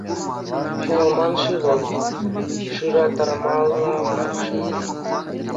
Ҫухалман-ши вӑл, шыраттармалла мар-ши ӑна?